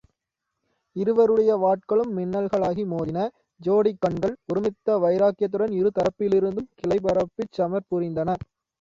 இருவருடைய வாட்களும் மின்னல்களாகி மோதின, ஜோடிக் கண்கள், ஒருமித்த வைராக்கியத்துடன் இரு தரப்பிலிருந்தும் கிளைபரப்பிச் சமர் புரிந்தன.